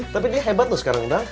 tapi dia hebat loh sekarang udah